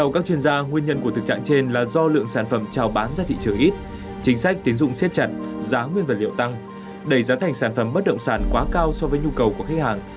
chính sách tiến dụng xếp chặt giá nguyên vật liệu tăng đẩy giá thành sản phẩm bất động sản quá cao so với nhu cầu của khách hàng